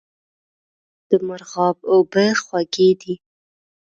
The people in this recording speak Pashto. د مرغاب اوبه خوږې دي